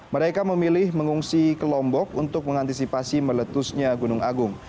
mereka memilih mengungsi ke lombok untuk mengantisipasi meletusnya gunung agung